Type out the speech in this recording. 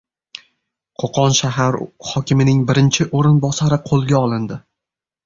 Qo‘qon shahar hokimining birinchi o‘rinbosari qo‘lga olindi